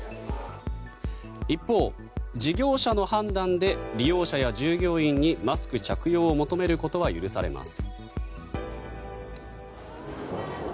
一方、事業者の判断で利用者や従業員にマスク着用を求めることは許されます。